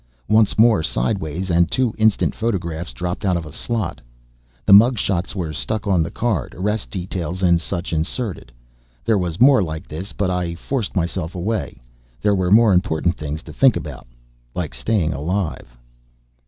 Once more sideways and two instant photographs dropped out of a slot. The mug shots were stuck on the card, arrest details and such inserted. There was more like this, but I forced myself away. There were more important things to think about. Like staying alive.